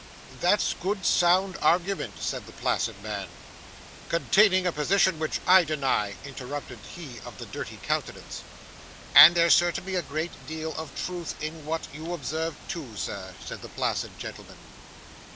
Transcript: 'That's good sound argument,' said the placid man. 'Containing a position which I deny,' interrupted he of the dirty countenance. 'And there's certainly a very great deal of truth in what you observe too, Sir,' said the placid gentleman.